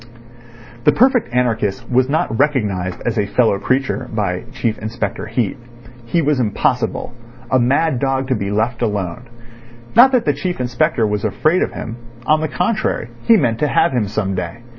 The perfect anarchist was not recognised as a fellow creature by Chief Inspector Heat. He was impossible—a mad dog to be left alone. Not that the Chief Inspector was afraid of him; on the contrary, he meant to have him some day.